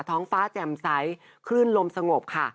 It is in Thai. ท้องฟ้าแจ่มใสคลื่นลมสงบค่ะ